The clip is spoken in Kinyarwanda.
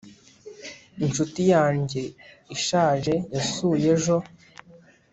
inshuti yanjye ishaje yasuye ejo